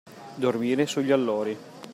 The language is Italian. Dormire sugli allori.